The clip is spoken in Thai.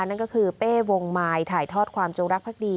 นั่นก็คือเป้วงมายถ่ายทอดความจงรักภักดี